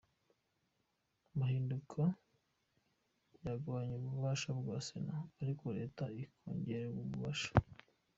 Amahinduka yagabanya ububasha bwa sena ariko leta ikongererwa ububasha.